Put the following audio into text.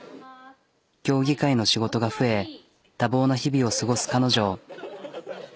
協議会の仕事が増え多忙な日々を過ごす彼女。